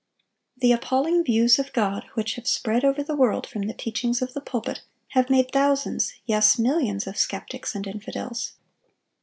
The appalling views of God which have spread over the world from the teachings of the pulpit have made thousands, yes, millions, of skeptics and infidels.